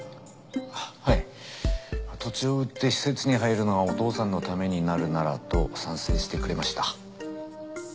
はい土地を売って施設に入るのがお父さんのためになるならと賛成してくれました。